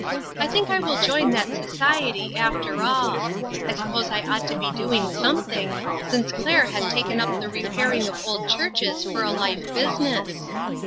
I think I will join that society after all ; I suppose I ought to be doing something, since Claire has taken up the repairing of old churches for a life business."